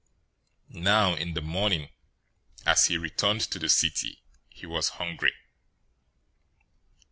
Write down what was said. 021:018 Now in the morning, as he returned to the city, he was hungry.